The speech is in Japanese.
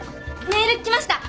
メール来ました。